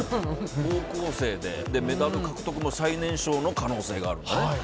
高校生でメダル獲得の最年少の可能性があるのね。